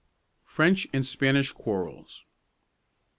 FRENCH AND SPANISH QUARRELS.